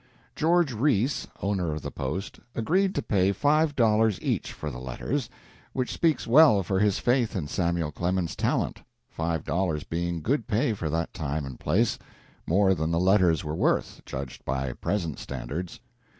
George Reese, owner of the "Post," agreed to pay five dollars each for the letters, which speaks well for his faith in Samuel Clemens's talent, five dollars being good pay for that time and place more than the letters were worth, judged by present standards.